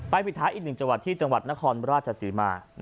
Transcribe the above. ปิดท้ายอีกหนึ่งจังหวัดที่จังหวัดนครราชศรีมา